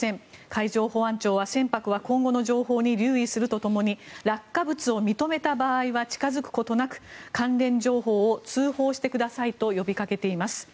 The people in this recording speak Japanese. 海上保安庁は船舶は今後の情報に留意するとともに落下物を認めた場合は近付くことなく関連情報を通報してくださいと呼びかけています。